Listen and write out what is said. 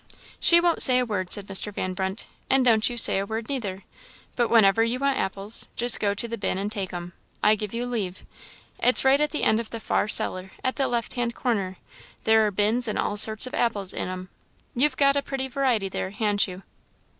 "She won't say a word," said Mr. Van Brunt; "and don't you say a word neither, but whenever you want apples, just go to the bin and take 'em. I give you leave. It's right at the end of the far cellar, at the left hand corner; there are the bins and all sorts of apples in 'em. You've got a pretty variety there, han't you?"